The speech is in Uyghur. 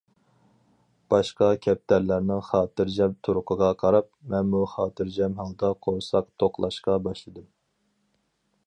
باشقا كەپتەرلەرنىڭ خاتىرجەم تۇرقىغا قاراپ مەنمۇ خاتىرجەم ھالدا قورساق توقلاشقا باشلىدىم.